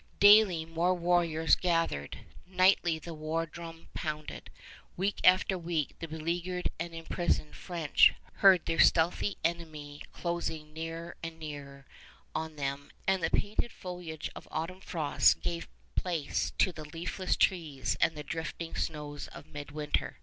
Daily more warriors gathered; nightly the war drum pounded; week after week the beleaguered and imprisoned French heard their stealthy enemy closing nearer and nearer on them, and the painted foliage of autumn frosts gave place to the leafless trees and the drifting snows of midwinter.